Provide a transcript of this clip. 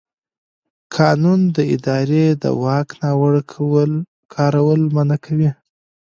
قانون د ادارې د واک ناوړه کارول منع کوي.